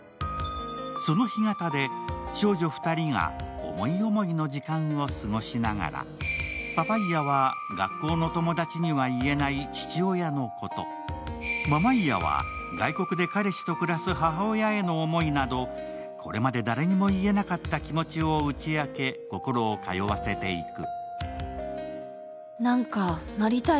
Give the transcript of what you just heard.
その干潟で少女２人が思い思いの時間を過ごしながらパパイヤは、学校の友達には言えない父親のことママイヤは外国で彼氏と暮らす母親への思いなどこれまで誰にも言えなかった気持ちを打ち明け、心を通わせていく。